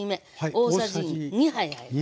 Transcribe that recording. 大さじ２杯入ります。